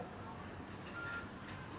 itu tidak perlu import